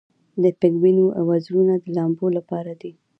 د پینګوین وزرونه د لامبو لپاره دي